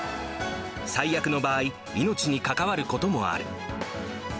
最悪の場合、命に関わることもある。